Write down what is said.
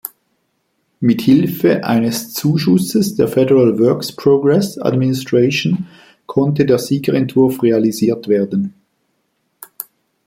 Mit Hilfe eines Zuschusses der Federal Works Progress Administration konnte der Siegerentwurf realisiert werden.